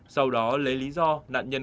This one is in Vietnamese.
sau đó lấy lý do nạn nhân